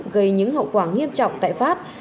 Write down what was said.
gây những hậu quả nghiêm trọng tại pháp